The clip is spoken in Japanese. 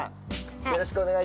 よろしくお願いします。